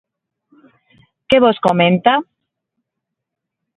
Que vos comenta?